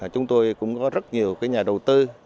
chúng tôi cũng có rất nhiều nhà đầu tư